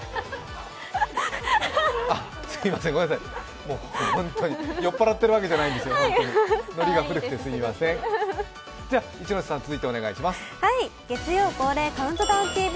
あ、すいません、ごめんなさい、本当に酔っ払ってるわけじゃないんですよ、ノリが古くてすみません月曜恒例「ＣＤＴＶ」